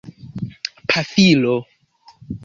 pafilo